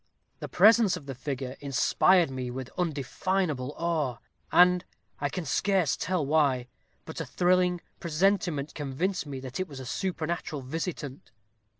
The presence of the figure inspired me with an undefinable awe! and, I can scarce tell why, but a thrilling presentiment convinced me that it was a supernatural visitant.